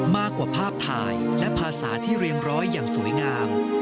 มากกว่าภาพถ่ายและภาษาที่เรียงร้อยอย่างสวยงาม